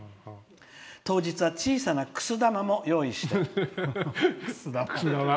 当日は小さなくす玉も用意して」。